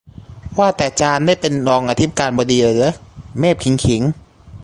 ว่าแต่จารย์ได้เป็นรองอธิการบดีเลยเหรอ เมพขิง